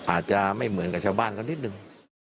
อาจจะไม่เหมือนกับชาวบ้านเขานิดนึง